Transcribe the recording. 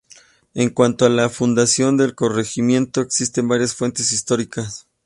En cuanto a la fundación del Corregimiento, existen varias fuentes históricas.